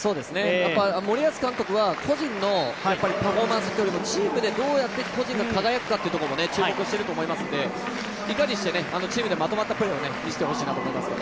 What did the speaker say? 森保監督は個人のパフォーマンスよりもチームで、どうやって個人が輝くかというところも注目していると思いますのでいかにしてチームでまとまったプレーを見せてほしいなと思います。